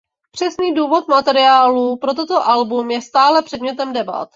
Přesný původ materiálu pro toto album je stále předmětem debat.